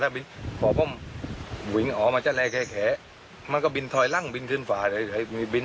นี่มันชุดปฏิบัติการแท้เลยเนี่ย